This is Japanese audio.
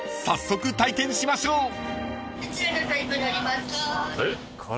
早速体験しましょう］